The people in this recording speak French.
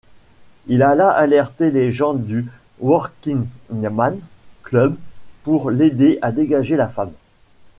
Il alla alerter les gens du Workingman's Club pour l'aider à dégager la femme.